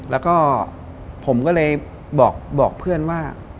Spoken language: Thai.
แล้วก็ผมก็เลยบอกเพื่อนว่า